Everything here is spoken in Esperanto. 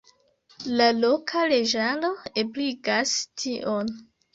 La loka leĝaro ebligas tion.